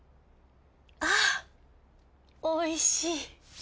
あおいしい。